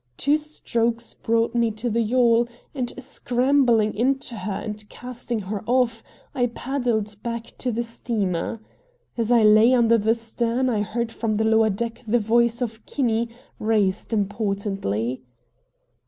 Two strokes brought me to the yawl, and, scrambling into her and casting her off, I paddled back to the steamer. As I lay under the stern I heard from the lower deck the voice of Kinney raised importantly.